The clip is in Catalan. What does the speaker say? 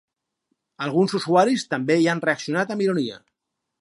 Alguns usuaris també hi han reaccionat amb ironia.